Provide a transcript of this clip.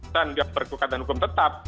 dan perkembangan hukum tetap